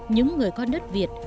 những người con đất việt